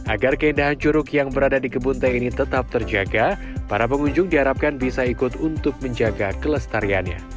agar keindahan curug yang berada di kebun teh ini tetap terjaga para pengunjung diharapkan bisa ikut untuk menjaga kelestariannya